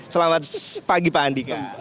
selamat pagi pak andika